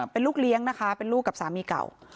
เป็นลูกเลี้ยงนะคะเป็นลูกกับสามีเก่า